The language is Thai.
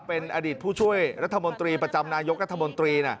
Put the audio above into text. เป็นอดีตผู้ช่วยรัฐมนตรีประจำนายกรัฐมนตรี